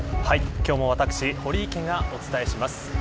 今日も私堀池がお伝えします。